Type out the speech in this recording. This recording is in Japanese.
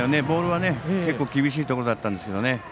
ボールは結構厳しいところだったんですけどね。